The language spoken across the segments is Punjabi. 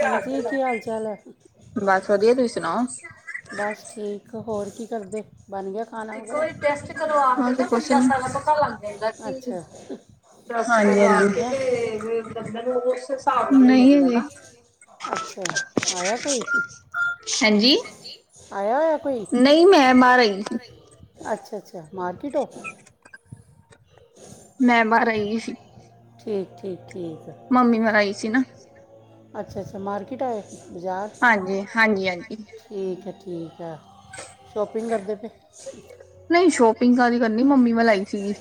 ਹਾਂਜੀ ਕੀ ਹਾਲ ਚਾਲ ਐ? ਬਸ ਵਧੀਆ ਤੁਸੀਂ ਸੁਣਾਓ ਬਸ ਠੀਕ ਹੋਰ ਕੀ ਕਰਦੇ ਬਣ ਗਿਆ, ਖਾਣਾ ਵਗੈਰਾ ਟੈਸਟ ਕਰਵਾ ਪਤਾ ਲੱਗ ਜਾਂਦਾ ਕੀ ਅੱਛਾ ਖਾਣਾ ਬਣ ਹਾਂਜੀ-ਹਾਂਜੀ ਗਿਆ [unintelligible] ਨਹੀਂ ਵੀ, ਅੱਛਾ ਆਇਆ ਕੋਈ ਹਾਂਜੀ? ਆਇਆ ਹੋਇਆ? ਨਹੀਂ, ਮੈਂ ਮਾਰ ਆਈ। ਅੱਛਾ-ਅੱਛਾ, ਮਾਰਕੀਟ ਓ? ਮੈਂ ਬਾਹਰ ਆਈ ਹੋਈ ਸੀ। ਠੀਕ, ਠੀਕ, ਠੀਕ। ਮੰਮੀ ਨਾਲ ਆਈ ਸੀ, ਨਾ। ਅੱਛਾ-ਅੱਛਾ, ਮਾਰਕੀਟ ਆਏ ਸੀ, ਬਜ਼ਾਰ? ਹਾਂਜੀ, ਹਾਂਜੀ-ਹਾਂਜੀ। ਠੀਕ ਹੈ, ਠੀਕ ਹੈ, ਸ਼ੋਪਿੰਗ ਕਰਦੇ ਪਏ? ਨਹੀਂ ਸ਼ੋਪਿੰਗ ਕਾਦੀ ਕਰਨੀ, ਮੰਮੀ ਵਲ ਆਈ ਸੀਗੀ।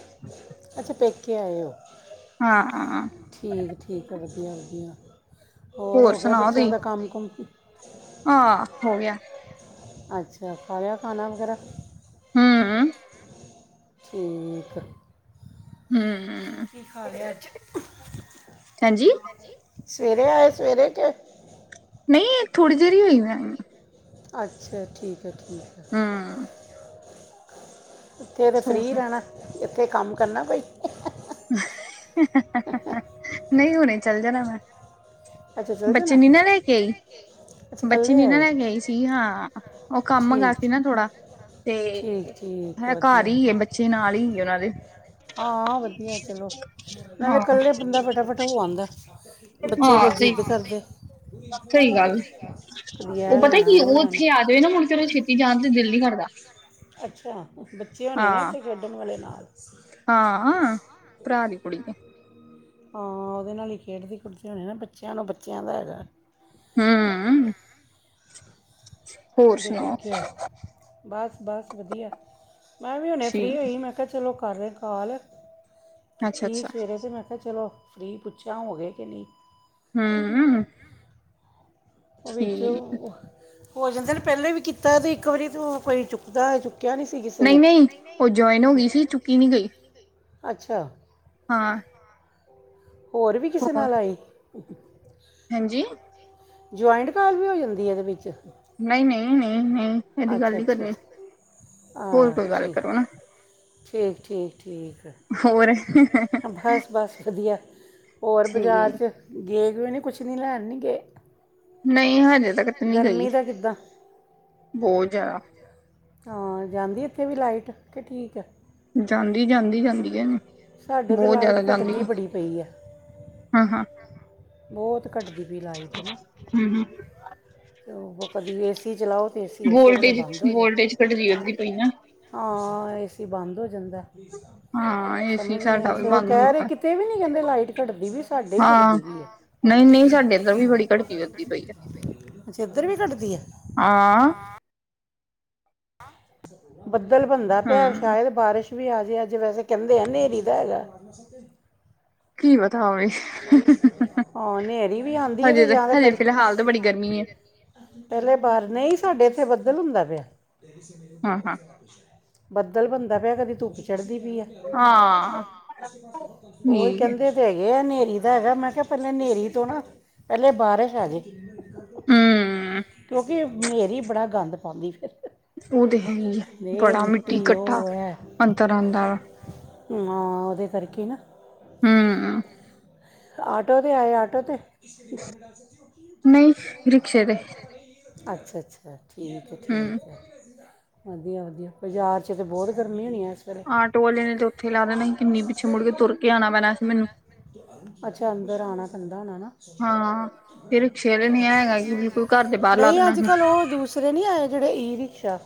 ਅੱਛਾ, ਪੇਕੇ ਆਏ ਓ? ਹਾਂ। ਠੀਕ ਏ, ਠੀਕ ਆ ਵਧੀਆ-ਵਧੀਆ, ਹੋਰ ਹੋਗਿਆ ਬੱਚਿਆਂ ਦਾ ਕੰਮ-ਕੁਮ? ਆ, ਹੋਗਿਆ। ਅੱਛਾ, ਖਾਲਿਆ ਖਾਨਾ ਵਗੈਰਾ? ਹੂੰ। ਠੀਕ। ਹੂੰ। ਕੀ ਖਾਲਿਆ ਅੱਜ? ਹਾਂਜੀ ਸਵੇਰੇ ਆਏ, ਸਵੇਰੇ ਕੇ ਨਹੀਂ, ਥੋੜੀ ਦੇਰ ਹੀ ਹੋਈ ਮੈਂ। ਅੱਛਾ, ਠੀਕ ਐ, ਠੀਕ ਹੈ। ਹੂੰ। ਇੱਥੇ ਤਾਂ ਫ੍ਰੀ ਰਹਿਣਾ, ਇੱਥੇ ਕੰਮ ਕਰਨਾ ਕੋਈ। ਨਹੀਂ, ਹੁਣੇ ਚਲ ਜਾਣਾ ਮੈਂ। ਅੱਛਾ ਚਲ ਬੱਚੇ ਜਾਣਾ ਨੀ ਨਾ ਲੈਕੇ ਆਈ। ਅੱਛਾ ਬੱਚੀ ਇਕੱਲੇ ਨੀ ਨਾ ਆਏ ਹੋ ਲੈਕੇ ਆਈ ਸੀ ਹਾਂ, ਉਹ ਕੰਮ ਗਾ ਠੀਕ ਸੀ ਨਾ ਥੋੜਾ ਤੇ ਠੀਕ ਠੀਕ, ਵਧੀਆ। ਇਹ ਬੱਚੇ ਨਾਲ ਈ ਏ, ਉਹਨਾਂ ਦੇ। ਹਾਂ, ਵਧੀਆ ਚਲੋ, ਨਾਲੇ ਇਕੱਲੇ ਬੰਦਾ ਫਟਾਫਟ ਹੋ ਆਂਦਾ, ਬੱਚੇ ਹਾਂ ਫਿਰ ਸਹੀ ਜਿੱਦ ਕਰਦੇ। ਸਹੀ ਗੱਲ ਕਦੀ ਐ ਲੈਣਾ, ਉਹ ਲੈਣਾ। ਓਈ ਨਾ, ਮੁੜਕੇ ਉਹਦਾ ਛੇਤੀ ਜਾਣ ਤੇ ਦਿਲ ਨੀ ਕਰਦਾ। ਅੱਛਾ, ਬੱਚੇ ਹੋਣੇ ਨਾ ਹਾਂ ਇੱਥੇ ਖੇਡਣ ਵਾਲੇ ਨਾਲ? ਹਾਂ ਭਰਾ ਦੀ ਕੁੜੀ। ਹਾਂ, ਉਹਦੇ ਨਾਲ ਹੀ ਖੇਡਦੀ-ਖੁਡਦੀ ਹੋਣੀ ਨਾ, ਬੱਚਿਆਂ ਨੂੰ ਬੱਚਿਆਂ ਦਾ ਹੈਗਾ। ਹੂੰ। ਉਹਦੇ ਸੁਣਾਓ ਕਰਕੇ ਹੋਏ, ਬਸ-ਬਸ ਵਧੀਆ, ਮੈਂ ਵੀ ਹੁਣੇ ਠੀਕ ਫ੍ਰੀ ਹੋਈ ਮੈਂ ਮੈਂ ਕਿਹਾ ਚਲੋ ਕਰ ਰਹੇ ਕਾਲ, ਅੱਛਾ ਕੀਤੀ ਏ ਅੱਛਾ ਸਵੇਰੇ ਤੋਂ ਮੈਂ ਕਿਆ ਚਲੋ ਫ੍ਰੀ ਪੁੱਛਾਂ, ਹੋਗੇ ਕਿ ਨਹੀਂ? ਹੂੰ। ਉਹ ਵਿੱਚ, ਹੋ ਜਾਂਦੇ ਨੇ ਪਹਿਲੇ ਵੀ ਕੀਤਾ ਤੇ ਇੱਕ ਵਾਰੀ ਤੂੰ ਕੋਈ ਚੁੱਕਦਾ, ਚੁੱਕਿਆ ਨਹੀਂ ਸੀ ਕਿਸੇ ਨੇ ਨਹੀਂ-ਨਹੀਂ, ਉਹ ਜੌਇਨ ਹੋਗੀ ਸੀ, ਚੁੱਕੀ ਨਹੀਂ ਗਈ। ਅੱਛਾ। ਹਾਂ। ਹੋਰ ਵੀ ਕਿਸੇ ਨਾਲ ਆਏ। ਹਾਂਜੀ। ਜੁਆਇੰਟ ਕਾਲ ਵੀ ਹੋ ਜਾਂਦੀ ਹੈ ਇਹਦੇ ਵਿੱਚ। ਨਹੀਂ ਨਹੀਂ ਨਹੀਂ ਨਹੀਂ ਇਹਦੀ ਗੱਲ ਅੱਛਾ ਅੱਛਾ ਨਹੀਂ ਅੱਛਾ। ਕਰਨੀ ਹੋਰ ਹਾਂ ਕੋਈ ਗੱਲ ਠੀਕ ਕਰੋ ਨਾ। ਠੀਕ ਠੀਕ ਠੀਕ ਹੋਰ ਬਸ ਬਸ ਵਧੀਆ। ਹੋਰ ਬਜ਼ਾਰ ਠੀਕ ਚ ਗਏ ਕਿ ਨਹੀਂ ਕੁਛ ਨਹੀਂ ਲੈਣ ਨਹੀਂ ਗਏ। ਨਹੀਂ ਹਜੇ ਤੱਕ ਤੇ ਨਹੀਂ ਗਈ ਗਰਮੀ ਦਾ ਕਿੱਦਾਂ ਬਹੁਤ ਜ਼ਿਆਦਾ। ਹਾਂ ਜਾਂਦੀ ਇੱਥੇ ਵੀ ਲਾਈਟ ਕਿ ਠੀਕ ਏ। ਜਾਂਦੀ ਜਾਂਦੀ ਜਾਂਦੀ ਹੈ। ਸਾਡੇ ਤਾਂ ਬਹੁਤ ਲਾਈਟ ਜ਼ਿਆਦਾ ਜਾਂਦੀ ਘਟਦੀ ਹੈ ਬੜੀ ਪਈ ਏ। ਹਾਂ, ਹਾਂ। ਬਹੁਤ ਘਟਦੀ ਪਈ ਲਾਈਟ ਨਾ ਹਮ ਹਮ ਕਦੀ ਏ ਸੀ ਚਲਾਓ। ਤੇ ਏਸੀ ਉਸੇ ਵੇਲੇ ਵੋਲਟੇਜ ਬੰਦ ਹੋ ਜਾਂਦਾ ਵੋਲਟੇਜ ਕਟਦੀ ਵਧਦੀ ਪਈ ਨਾ। ਹਾਂ ਏਸੀ ਬੰਦ ਹੋ ਜਾਂਦਾ। ਹਾਂ ਏਸੀ ਸਮਝ ਨਹੀਂ ਸਾਡਾ ਆਈ ਵੀ ਸਕੋ ਬੰਦ ਹੁੰਦਾ ਕਹਿ ਰਹੇ ਪਿਆ ਕਿਤੇ ਵੀ ਨੀ ਕਹਿੰਦੇ ਲਾਈਟ ਕੱਟਦੀ ਪਈ ਸਾਡੇ ਹੀ ਹਾਂ ਕੱਟਦੀ ਪਈ ਏ। ਨਹੀਂ ਨਹੀਂ ਸਾਡੇ ਇੱਧਰ ਵੀ ਬੜੀ ਘਟਦੀ ਵੱਧਦੀ ਪਈ ਹੈ ਅੱਛਾ ਇੱਧਰ ਵੀ ਕੱਟਦੀ ਏ। ਹਾਂ। ਬੱਦਲ ਬਣਦਾ ਪਿਆ ਹਮ ਸ਼ਾਇਦ ਬਾਰਿਸ਼ ਵੀ ਆਜੇ ਅੱਜ ਵੈਸੇ ਕਹਿੰਦੇ ਆ ਹਨੇਰੀ ਦਾ ਹੈਗਾ। ਕੀ ਪਤਾ ਹੋਵੇ। ਹਾਂ ਹਨੇਰੀ ਵੀ ਆਂਦੀ ਹੈ ਹਜੇ ਤੇ ਜਾਂ ਤਾਂ ਹਜੇ ਪਹਿਲੇ ਫਿਲਹਾਲ ਤਾਂ ਬੜੀ ਗਰਮੀ ਏ। ਪਹਿਲੇ ਬਾਹਰ ਨਹੀਂ ਸਾਡੇ ਇੱਥੇ ਬੱਦਲ ਹੁੰਦਾ ਪਿਆ। ਹਾਂ ਹਾਂ ਬੱਦਲ ਬਣਦਾ ਪਿਆ ਕਦੀ ਧੁੱਪ ਚੜ੍ਹਦੀ ਪਈ ਹੈ। ਹਾਂ ਉਹ ਹੀ ਠੀਕ ਹੈ ਕਹਿੰਦੇ। ਹਨੇਰੀ ਦਾ ਹੈਗਾ ਮੈਂ ਕਿਹਾ ਪਹਿਲੇ ਹਨੇਰੀ ਤੋਂ ਨਾ ਪਹਿਲੇ ਬਾਰਿਸ਼ ਆ ਗਏ। ਹਮ ਕਿਉਂਕਿ ਹਨੇਰੀ ਬੜਾ ਗੰਦ ਪਾਉਂਦੀ। ਉਹ ਤੇ ਹੈ ਹੀ ਹੈ ਇਹ ਬੜਾ ਮਿੱਟੀ ਕੱਟਾ। ਉਹ ਹੈ ਹਾਂ ਉਹਦੇ ਕਰਕੇ ਨਾ। ਹਮ। ਆਟੋ ਤੇ ਆਏ ਆਟੋ ਤੇ। ਨਹੀਂ ਰਿਕਸ਼ੇ ਤੇ ਅੱਛਾ-ਅੱਛਾ ਠੀਕ ਹੈ ਠੀਕ ਹੂੰ ਹੈ। ਵਧੀਆ ਵਧੀਆ ਬਾਜ਼ਾਰ 'ਚ ਤਾਂ ਬਹੁਤ ਗਰਮੀ ਹੋਣੀ ਹੈ ਇਸ ਵੇਲੇ। ਆਟੋ ਵਾਲੇ ਨੇ ਉੱਥੇ ਲਾ ਦੇਣਾ ਸੀ ਕਿੰਨੀ ਪਿੱਛੇ ਮੁੜ ਕੇ ਤੁਰ ਕੇ ਆਣਾ ਪੈਣਾ ਸੀਂ ਮੈਨੂੰ। ਅੱਛਾ ਅੰਦਰ ਆਣਾ ਪੈਂਦਾ ਹੋਣਾ ਨਾ। ਹਾਂ ਤੇ ਰਿਕਸ਼ੇ ਨੇ ਹੈਗਾ ਕਿ ਬਿਲਕੁਲ ਘਰ ਦੇ ਬਾਹਰ ਲਾ ਦੇਣਾ ਸੀ। ਜਿਹੜੇ ਨੀ ਆਏ ਜਿਹੜੇ ਈ ਰਿਕਸ਼ਾ।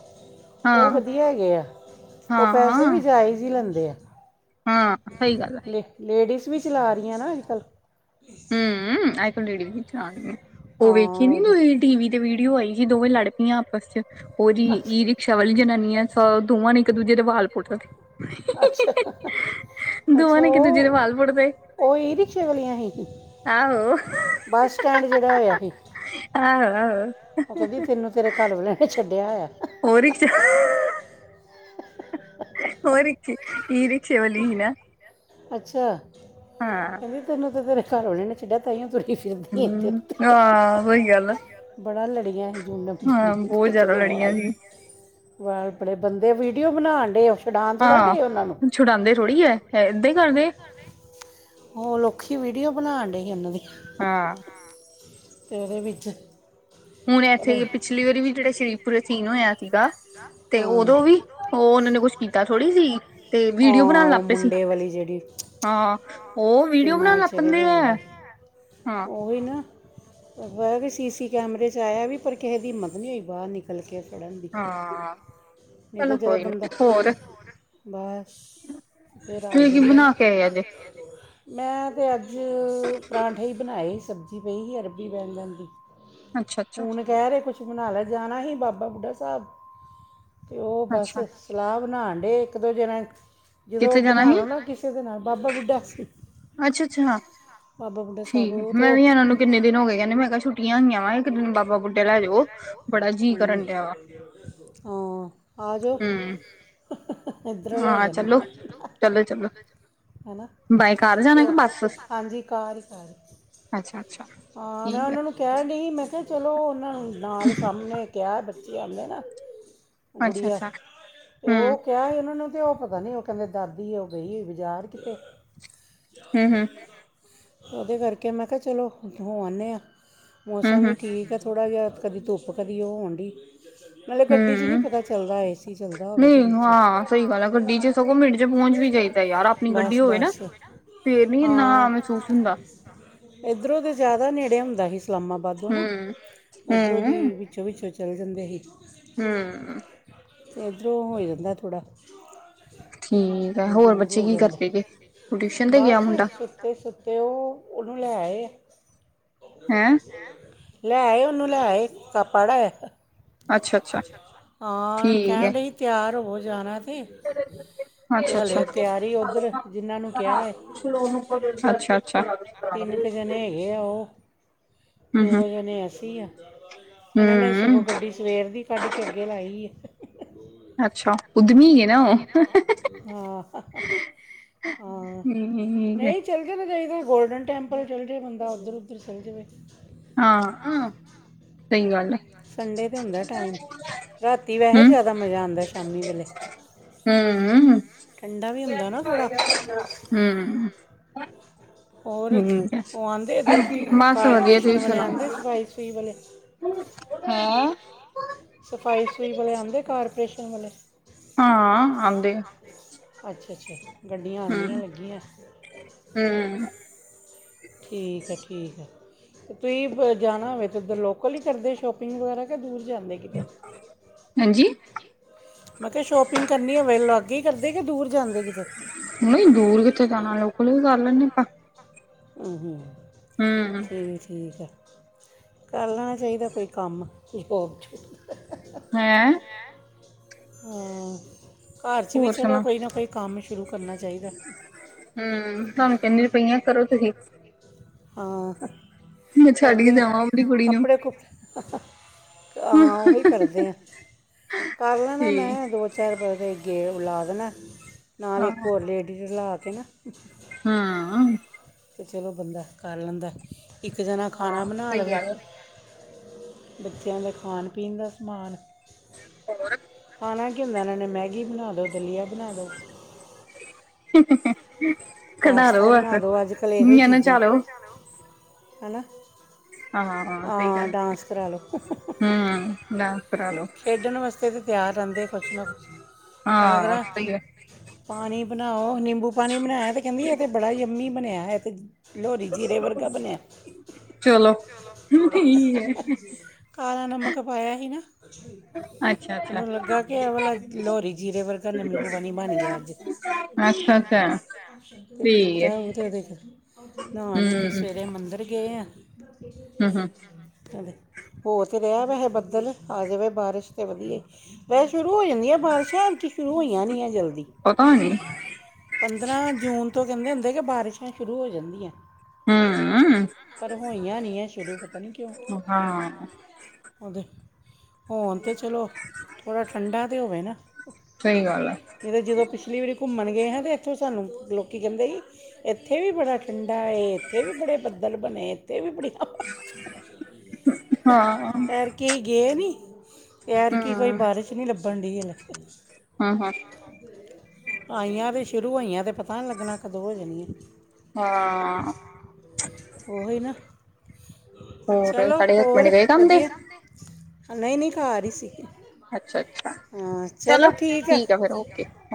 ਉਹ ਹਾਂ ਵਧੀਆ ਹੈਗੇ ਹੈ ਉਹ ਪੈਸੇ ਹਾਂ ਵੀ ਜਾਇਜ਼ ਹੀ ਲੈਂਦੇ ਹੈ। ਹਾਂ ਸਹੀ ਗੱਲ ਆ। ਲੇਡੀਜ਼ ਵੀ ਚਲਾ ਰਹੀਆਂ ਨਾ ਅੱਜ ਕੱਲ੍ਹ। ਹਮ ਅਜ ਕਲ ਲੇਡੀ ਵੀ ਚਲਾਨ ਗਿਆ ਉਹ ਵੇਖੀ ਹਾਂ ਨੀ ਮੂਵੀ। ਟੀ ਵੀੀ ਤੇ ਵੀਡੀਓ ਆਈ ਸੀ ਦੋਵੇਂ ਲੜ ਪਈਆਂ ਆਪਸ ਚ। ਉਹ ਜੀ ਅੱਛਾ ਈ ਰਿਕਸ਼ਾ ਵਾਲੀ ਜਨਾਨੀ ਆ ਦੋਵਾਂ ਨੇ ਇੱਕ ਦੂਜੇ ਦੇ ਵਾਲ ਪੁੱਟ ਸਡੇ। ਅੱਛਾ-ਅੱਛਾ ਦੋਵਾਂ ਨੇ ਇੱਕ ਦੂਜੇ ਦੇ ਉਹ। ਵਾਲ ਪੁੱਟਦੇ ਉਹ ਹੀ ਰਿਕਸ਼ੇ ਵਾਲੀਆਂ ਹੀ ਸੀ ਆਹੋ ਬੱਸ ਸਟੈਂਡ ਜਿਹੜਾ ਹੋਇਆ ਸੀ। ਆਹ-ਆਹ। ਓ ਕੈੰਦੀ ਤੈਨੂੰ ਤੇਰੇ ਕਰ ਵਾਲੇ ਨੇ ਛੱਡਿਆ ਹੋਯਾ। ਹੋਰ ਰਿਕਸ਼ਾ ਹੋਰ ਕੀ ਇ ਰਿਕਸ਼ੇ ਵਾਲੀ ਹੀ ਨਾ ਅੱਛਾ। ਹਾਂ। ਕੈੰਦੀ ਤੈਨੂੰ ਤੇਰੇ ਕਰ ਵਾਲੇ ਨੇ ਛਡਿਆ ਤਾਈਓ ਤੂੰ ਇਫ ਹੂੰ ਹਾਂ ਵਈ ਗੱਲ ਐ। ਬੜਾ ਲੜੀਆਂ ਹੀ ਝੁੰਡਾ ਪੂਟੀ ਇੱਕ-ਦੂਜੇ ਜ਼ਿਆਦਾ ਦੇ ਲੜੀਆਂ ਵਾਲ। ਜੀ ਵਾਲ ਫੜੇ ਬੰਦੇ ਵੀਡੀਓ ਬਣਾਣ ਡੇ ਓ ਛਡਾਣ ਥੋੜ੍ਹਾ ਡੇ ਓਨਾਂ ਨੂੰ। ਛੁਡਾਂਦੇ ਥੋੜ੍ਹੀ ਐ, ਐ ਏਦਾਂ ਕਰਦੇ ਐ‌। ਓ ਲੋਖੀ ਵੀਡੀਓ ਬਣਾਣ ਡਏ ਹੀ ਓਨਾਂ ਦੀ। ਹਾਂ। ਏਦੇ ਵਿੱਚ ਹੁਣ ਐਥੇ ਈ ਉਹਨੇ ਪਿਛਲੀ ਵਾਰੀ ਵੀ ਜੇੜਾ ਸ਼੍ਰੀ ਪੁਰੇ ਸੀਨ ਹੋਇਆ ਸੀਗਾ ਤੇ ਓਦੋਂ ਵੀ ਹਾਂ ਓ ਓਨਾਂ ਨੇ ਹਾਂ ਕੁਛ ਕੀਤਾ ਥੋੜ੍ਹੀ ਸੀ ਤੇ ਵੀਡੀਓ ਬਣਾਣ ਲੱਗ ਪੇ ਸੀ। ਕਲੀ ਜੇੜੀ ਹਾਂ ਓ ਵੀਡੀਓ ਬਣਾਣ ਲੱਗ ਪੈਂਦੇ ਐ ਓਈ ਨਾ। ਐਵੀ ਸੀਸੀ ਕੈਮਰੇ ਚ ਆਯਾ ਬੀ ਪਰ ਕਿਸੇ ਦੀ ਹਿੰਮਤ ਨੀ ਹੋਈ ਬਾਹਰ ਨਿਕਲ ਕੇ ਫੜਨ ਦੀ। ਹਾਂ। ਏ ਤਾਂ ਚਲੋ ਕੋਈ ਨੀ ਬੰਦਾ ਹੋਰ ਬਸ ਫੇਰ ਹਾਰ ਜਾਂਦਾ ਨਾ। ਏ ਅਜੇ ਮੈਂ ਤੇ ਅੱਜ ਪਰਾਂਠੇ ਈ ਬਣਾਏ ਸੀ ਸਬਜ਼ੀ ਪਈ ਹੀ ਅਰਬੀ-ਬੈਗਣ ਦੀ। ਅੱਛਾ-ਅੱਛਾ। ਕੈ ਰੇ ਕੁਛ ਬਣਾ ਲੈ ਜਾਣਾ ਹੀ ਬਾਬਾ ਬੁੱਢਾ ਸਾਬ ਓ ਬਸ ਅੱਛਾ ਸਲਾ ਬਣਾਣ ਡੇ ਇੱਕ-ਦੂਜੇ ਨਾਲ। ਜਦੋਂ ਕਿੱਥੇ ਜਾਣਾ ਬਣਾ ਸੀ ਲੋ ਨਾ ਕਿਸੇ ਦੇ ਨਾਲ ਬਾਬਾ ਬੁੱਡਾ ਸਾਹਿਬ ਅੱਛਾ ਅੱਛਾ ਅੱਛਾ-ਅੱਛਾ। ਬਾਬਾ ਬੁਡਾ ਸਾਬ ਓ ਤੇ ਓ ਕਿੰਨ ਦਿਨ ਹੋਗੇ ਕੈਂਦੇ ਮੈਂ ਕਲ ਛੁਟ ਛੁਟਿਆ ਈ ਆ ਇੱਕ ਦਿਨ ਬਾਬਾ ਬੁੱਢੇ ਲੈ ਜੋ ਬੜਾ ਜੀ ਹਮ, ਕਰਨ ਡੇਆ ਵਾ। ਹਾਂ ਆਜੈ ਹੂੰ ਐਧਰੋਂ ਲੈ ਹਾਂ ਜਾਂਣੇ ਚਲੋ। ਆ ਚਲੋ-ਚਲੋ ਹੈਨਾ ਬਾਏ ਕਾਰ ਜਾਣਾ ਕੇ ਬਸ ਹਾਂਜੀ ਕਾਰ ਈ ਕਾਰ ਅੱਛਾ-ਅੱਛਾ ਠੀਕ ਐ। ਕੈਣ ਡੀ ਮੈਂ ਕਿਹਾ ਚਲੋ ਓਨਾਂ ਨੂੰ ਨਾਲ ਸਾਹਮਣੇ ਕੇਹਾ ਬੱਚੇ ਆਂਦੇ ਨਾ ਗੁੜੀਆ ਅੱਛਾ-ਅੱਛਾ ਤੇ ਹੂੰ ਓ ਕੇਹਾ ਹੀ ਓਨਾਂ ਨੂੰ ਤੇ ਓ ਪਤਾ ਨੀ ਕੈੰਦੇ ਦਾਦੀ ਓ ਗਈ ਬਜ਼ਾਰ ਕੀਤੇ ਹੂੰ-ਹੂੰ। ਓਦੇ ਕਰਕੇ ਮੈਂ ਕੇਆ ਚਲੋ ਹੋ ਆਾਣੇ ਆ ਹੂੰ ਮੌਸਮ ਵੀ ਹੂੰ ਠੀਕ ਐ। ਥੋੜ੍ਹਾ ਜੇਹਾ ਕਦੀ ਧੁੱਪ ਕਦੀ ਓ ਹੋਣ ਡੀ ਨਾਲੇ ਗੱਡੀ ਚ ਨੀ ਹੂੰ ਪਤਾ ਚੱਲਦਾ ਏਸੀ ਚੱਲਦਾ ਹੋਵੇ ਤੇ ਨਹੀਂ ਵਿੱਚ ਹਾਂ ਸਹੀ ਹੈ ਸਈ ਗੱਲ ਗੱਡੀ ਚ ਐ- ਸਗੋਂ ਮਿੰਟ ਚ ਪੋਂਚ ਵੀ ਜਾਇਦਾ ਯਾਰ ਆਪਣੀ ਗੱਡੀ ਹੋਵੇ ਨਾ ਬਸ ਫੇਰ ਨੀ ਇੰਨਾ ਮਹਿਸੂਸ ਹੁੰਦਾ। ਏੱਧਰੋਂ ਤੇ ਜਾਦਾ ਨੇੜੇ ਹੁੰਦਾ ਸੀ ਇਸਲਾਮਾਬਾਦੋ ਨਾ ਹੂੰ-ਹੂੰ, ਓਧਰੋਂ ਦੀ ਹੂੰ ਵਿੱਚੋਂ-ਵਿੱਚੋਂ ਚੱਲ ਜਾਂਦੇ ਹੀ। ਹੂੰ। ਏਧਰੋਂ ਹੋ ਜਾਂਦਾ ਥੋੜਾ ਠੀਕ ਆ ਹੋਰ ਬੱਚੇ ਕੀ ਕਰਦੇ ਪਏ ਗਏ ੳਹ ਟਿਊਸ਼ਨ ਤੇ ਗਿਆ ਮੁੰਡਾ, ਤੇ ਸੁੱਤੇ ਉਹ ਉਹਨੂੰ ਲੈਏ ਆ ਹੈਂ ਲੈਏ ੳਹਨੂੰ ਲੇ ਆਏ ਪੜ ਆਯਾ ਅੱਛਾ-ਅੱਛਾ ਕਾਕਾ ਹਾ ੳਹਨੂੰ ਹੁਣ ਕਹਿਣ ਢਈ ਤਿਆਰ ਹੋ ਜਾਣਾ ਤੇ ਤੇ ਅੱਛਾ ਅੱਛਾ ਹਲੇ ਤਿਆਰੀ ਉਧਰ ਜਿਨ੍ਹਾਂ ਨੂੰ ਕਿਹਾ ਹੈ ਅੱਛਾ ਤਿੰਨ ਕੁ ਜਣੇ ਹੈਗੇ ਉਹ ਦੋ ਹੂੰ-ਹੂੰ, ਜਣੇ ਐ ਦੱਸੀ ਆ, ਇਹਨਾਂ ਨੇ ਹੂੰ, ਸਗੋਂ ਗੱਡੀ ਸਵੇਰ ਦੀ ਕੱਢਕੇ ਅੱਗੇ ਲਾਈ ਆ। ਅੱਛਾ, ਉਦਮੀ ਏ ਨਾ ਉਹ। ਹਾਂ ਹਾਂ, ਠੀਕ ਹੈ। ਨਹੀਂ ਚੱਲ-ਚਲ ਜਾਈਦਾ ਗੋਲਡਨ ਟੈਂਪਲ ਚੱਲ ਜੇ ਬੰਦਾ, ਉੱਧਰ-ਉੱਧਰ ਚੱਲ ਜਵੇ। ਹਾਂ, ਅਂ ਸੰਡੇ ਤੇ ਹੁੰਦਾ ਟਾਈਮ, ਰਾਤੀ ਵੈਹੇ ਹੂੰ, ਜਿਆਦਾ ਮਜ਼ਾ ਆਂਦਾ ਸ਼ਾਮੀ ਵੇਲੇ। ਹੂੰ, ਠੰਡਾ ਵੀ ਹੁੰਦਾ ਨਾ ਥੋੜ੍ਹਾ ਹੂੰ ਹੋਰ, ਠੀਕ ਹੈ, ਉਹ ਆਂਦੇ ਇੱਧਰ, ਬਸ ਵਧੀਆ ਕਾਰਪਰੇਸ਼ਨ ਵਾਲੇ ਆਂਦੇ ਸਫ਼ਾਈ-ਸਫੁਈ ਵਾਲੇ? ਹਾਂ ਸਫ਼ਾਈ-ਸਫੁਈ ਵਾਲੇ ਆਂਦੇ, ਕਾਰਪਰੇਸ਼ਨ ਵਾਲੇ। ਹਾਂ, ਆਂਦੇ। ਅੱਛਾ-ਅੱਛਾ, ਗੱਡੀਆਂ ਆਂਦੀਆ, ਹੂੰ, ਗੱਡੀਆਂ। ਹੂੰ ਠੀਕ ਐ, ਠੀਕ ਐ। ਤੁਸੀਂ ਜਾਣਾ ਹੋਵੇ ਤੇ ਉਧਰ ਲੋਕਲ ਈ ਕਰਦੇ ਸ਼ੌਪਿੰਗ ਵਗੈਰਾ, ਕਿ ਦੂਰ ਜਾਂਦੇ ਕਿਤੇ। ਹਾਂਜੀ? ਮੈ ਕਿਆ, ਸ਼ੋਪਿੰਗ ਕਰਨੀ ਹੋਵੇ ਲਾਗੇ ਈ ਕਰਦੇ, ਕਿ ਦੂਰ ਜਾਂਦੇ ਕਿਤੇ? ਨਹੀ, ਦੂਰ ਕਿਥੇ ਜਾਣਾ ਲੋਕਲ ਵੀ ਕਰ ਲੈਂਨੇ ਆ ਹੂੰ-ਹੂੰ, ਹੂੰ, ਹੂੰ। ਠੀਕ, ਠੀਕ ਐ। ਕਰ ਲੈਣਾ ਚਾਹੀਦਾ ਕੋਈ ਕੰਮ, ਕੋਈ ਜੋਬ-ਜੁਬ ਹੈਂ। ਹਾਂ ਘਰ 'ਚ ਵੀ ਹੋਰ ਚਲੋ, ਸੁਣਾ ਕੋਈ ਨਾ ਕੋਈ ਕੰਮ ਸ਼ੁਰੂ ਕਰਨਾ ਚਾਹੀਦਾ। ਹੂੰ, ਤੁਹਾਨੂੰ ਕਹਿੰਨੀ ਤੇ ਪਈਆਂ, ਕਰੋ ਤੁਹੀ। ਹਾਂ ਮੈਂ ਛੱਡ ਕੇ ਕਰਦੇ ਆ ਜਾਵਾਂ ਆਪਣੀ ਕੁੜੀ ਨੂੰ। ਕੱਪੜੇ ਕੁਪ ਹਾਂ, ਓਹੀ ਕਰਦੇ ਆਂ, ਕਰਲੈ ਨਾ ਤੇ ਮੈਂ, ਦੋ ਚਾਰ ਪਾਸੇ ਗੇ, ਓ ਲਾ ਦੇਣਾ, ਨਾਲ ਇੱਕ ਹਾਂ ਹੋਰ ਲੇਡੀਜ਼ ਰਲਾਕੇ ਨਾ ਹਾਂ ਤੇ ਚਲੋ ਬੰਦਾ ਕਰ ਲੈਂਦਾ, ਇੱਕ ਜਣਾ ਖਾਣਾ ਬਣਾ ਸਹੀ ਲਵੇ। ਗੱਲ ਬੱਚਿਆਂ ਦਾ ਖਾਣ-ਪੀਣ ਦਾ ਸਮਾਨ। ਹੋਰ? ਖਾਣਾ ਕੀ ਹੁੰਦਾ ਇਹਨਾਂ ਨੇ, ਮੈਗੀ ਬਣਾਦੋ, ਦਲੀਆ ਬਣਾਦੋ। [unintelligible] ਪਾਸਤਾ ਬਸ ਬਣਾਦੋ, ਅੱਜ-ਕਲ ਏਹੋ ਈ ਨਿਆਣੇ ਚੀਜ਼ਾਂ, ਨਚਾ ਲੋ ਹਨਾ। ਹਾਂ ਸਹੀ ਆਂ, ਗੱਲ ਡਾਂਸ ਕਰਾਲੋ, ਹਮ ਡਾਂਸ ਕਰਾ ਲੋ ਖੇਡਣ ਵਾਸਤੇ ਫਿਰ ਤਿਆਰ ਰਹਿੰਦੇ ਕੁਛ ਨਾ ਕੁਛ, ਹਾਂ ਅਗਰ ਸਹੀ ਹੈ ਪਾਣੀ ਬਣਾਓ, ਨਿੰਬੂ ਪਾਣੀ ਬਣਾਇਆ ਤੇ ਕਹਿੰਦੀ, ਇਹ ਤੇ ਬੜਾ ਹੀ ਯੰਮੀ ਬਣਿਆ, ਇਹ ਤੇ ਲੋਹਰੀ ਜੀਰੇ ਵਰਗਾ ਬਣਿਆ। ਚਲੋ, ਹੀ-ਹੀ ਕਾਲਾ ਨਮਕ ਪਾਇਆ ਹੀ ਨਾ। ਅੱਛਾ ਅੱਛਾ ਇਹਨੂੰ ਲੱਗਾ ਕਿ, ਏਹ ਵਾਲਾ ਲੋਹਰੀ ਜੀਰੇ ਵਰਗਾ। ਨਿੰਬੂ ਪਾਣੀ ਬਣ ਗਿਆ ਅੱਜ [unintelligible] ਅੱਛਾ ਅੱਛਾ ਅਤੇ ਠੀਕ ਹੈ ਪੀਤਾ, ਉਹ ਤੇ ਉਹਦੇ। ਨਹਾ, ਨੁਕੇ ਕੇ ਹਮ ਸਵੇਰੇ ਮੰਦਰ ਗੇ ਆਂ। ਹਮ ਹਮ ਹੋ ਤੇ ਰਿਹਾ ਵੈਸੇ ਬੱਦਲ, ਆ ਜਾਵੇ ਬਾਰਿਸ਼ ਤੇ ਵਧੀਆ। ਵੈਸ ਸ਼ੁਰੂ ਹੋ ਜਾਂਦੀ। ਆਂ ਬਾਰਿਸ਼ਾਂ, ਐਤਕੀ ਸ਼ੁਰੂ ਹੋਇਆ ਣੀ ਜਲਦੀ। ਪਤਾ ਨੀ ਪੰਦਰਾਂ ਜੂਨ ਤੋਂ ਕਹਿੰਦੇ ਹੁੰਦੇ, ਕਿ ਬਾਰਿਸ਼ਾਂ ਸ਼ੁਰੂ ਹੋ ਜਾਂਦੀਆਂ। ਹਮ ਪਰ ਹੋਈਆਂ ਨਹੀਂ ਹੈ। ਸ਼ੁਰੂ ਪਤਾ ਨਹੀਂ ਕਿਉਂ? ਹਾਂ ਉਹਦੇ, ਹੋਣ ਤੇ ਚਲੋ, ਥੋੜਾ ਠੰਡਾ ਤੇ ਹੋਵੇ ਨਾ ਸਹੀ ਗੱਲ ਆ ਐ। ਨਹੀਂ ਤਾਂ ਜਦੋਂ। ਪਿਛਲੀ ਵਾਰੀ ਘੁੰਮਣ ਗਏ ਹਾਂ ਤਾਂ, ਇੱਥੋਂ ਸਾਨੂੰ ਲੋਕੀ ਕੈਂਦੇ ਸੀ। ਇੱਥੇ ਵੀ ਬੜਾ ਠੰਡਾ ਏ। ਇੱਥੇ ਵੀ ਬੜੇ ਬੱਦਲ ਬਣੇ, ਇੱਥੇ ਵੀ ਬੜੀਆਂ। ਹਾਂ ਹਮ ਐਤਕੀ ਗਏ ਨਹੀਂ? ਐਦਕੀ ਕੋਈ ਬਾਰਿਸ਼ ' ਨਹੀਂ ਲੱਭਣ ਡਇ ਅਜੇ। ਹਾਂ- ਹਾਂ! ਆਈਆਂ ਤੇ, ਸ਼ੁਰੂ ਹੋਈਆਂ ਤੇ ਪਤਾ ਪਤਾ ਨਹੀਂ ਲੱਗਣਾ ਕਦੋਂ ਹੋ ਜਾਣੀ ਆ। ਹਾਂ ਉਹੀ ਨਾ ਹੋਰ ਚਲੋ ਸਾਡੇ ਹਸਬੈਂਡ ਹੋਰ ਗਏ ਕੰਮ ਤੇ ਵਧੀਆ। ਨਹੀਂ -ਨਹੀਂ ਘਰ ਈ ਸੀ। ਅੱਛਾ ਅੱਛਾ ਹਾਂ, ਚਲੋ ਠੀਕ ਐ। ਆ ਫਿਰ ਓਕੇ